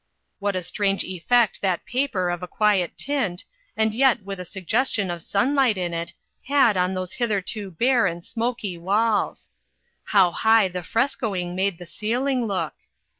What a strange effect 362 RECOGNITION. 363 that paper of a quiet tint, and yet with a suggestion of sunlight in it, had on those hitherto bare and smoky walls ! How high the frescoing made the ceiling look